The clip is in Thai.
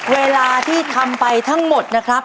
เวลาที่ทำไปทั้งหมดนะครับ